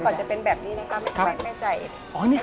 เส้นไม่ยุ่ยและไม่เกาะตัวกันเป็นก้อนนั่นเอง